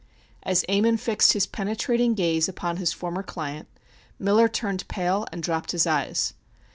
As Ammon fixed his penetrating gaze upon his former client, Miller turned pale and dropped his eyes.